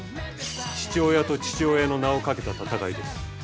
父親と父親の名をかけた戦いです。